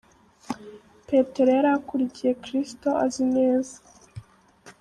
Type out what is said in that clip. Petero yari akurikiye Kristo azi neza.